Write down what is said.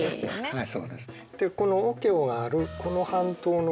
はい。